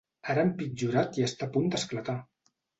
Ara ha empitjorat i està a punt d'esclatar!